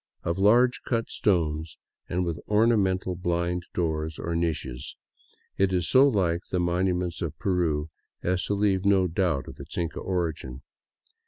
Of large cut stones, and with ornamental blind doors, or niches, it is so like the monuments of Peru as to leave no doubt of its Inca origin.